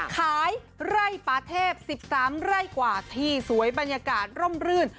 ขายไร่ปาเทพ๑๓ไร่กว่าที่สวยบรรยากาศร่มรื่น